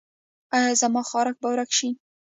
ایا زما خارښ به ورک شي؟